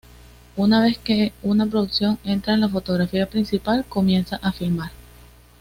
Una vez que una producción entra en la fotografía principal, comienza a filmar.